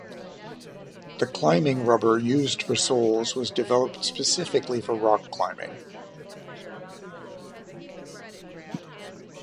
The climbing rubber used for soles was developed specifically for rock-climbing.